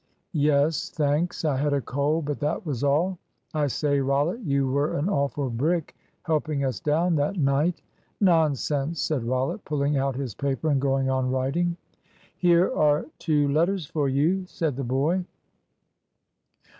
"Yes, thanks. I had a cold, but that was all. I say, Rollitt, you were an awful brick helping us down that night." "Nonsense!" said Rollitt, pulling out his paper and going on writing. "Here are two letters for you," said the boy.